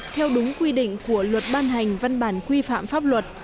theo đúng quy định của luật ban hành văn bản quy phạm pháp luật